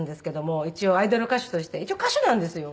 一応アイドル歌手として一応歌手なんですよ。